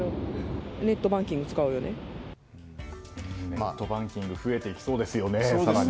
ネットバンキング増えてきそうですよね、更に。